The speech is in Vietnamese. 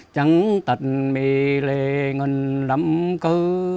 trắng tật mê lệ ngần lắm cơ